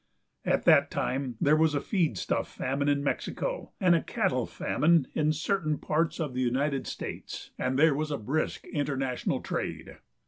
At that time there was a feedstuff famine in Mexico and a cattle famine in certain parts of the United States, and there was a brisk international trade.